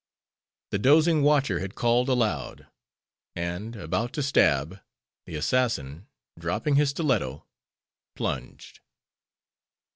The dozing watcher had called aloud; and, about to stab, the assassin, dropping his stiletto, plunged.